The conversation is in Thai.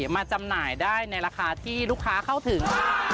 มาจำหน่ายได้ในราคาที่ลูกค้าเข้าถึง